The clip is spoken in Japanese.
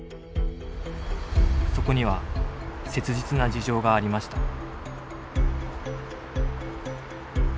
そこには切実な事情がありました。